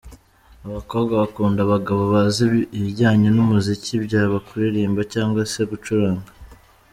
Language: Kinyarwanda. Abakobwa bakunda abagabo bazi ibijyanye n’umuziki byaba kuririmba cyangwa se gucuranga.